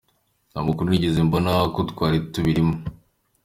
Nta makuru nigeze mbona ko twari tubirimo.